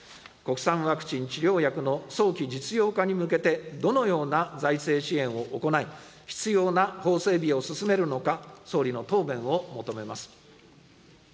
国産ワクチン、治療薬の早期実用化に向けて、どのような財政支援を行い、必要な法整備を進めるのか、総理の答弁を求めます。